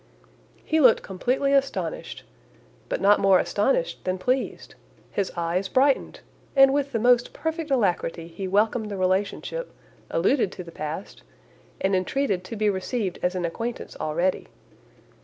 He looked completely astonished, but not more astonished than pleased; his eyes brightened! and with the most perfect alacrity he welcomed the relationship, alluded to the past, and entreated to be received as an acquaintance already.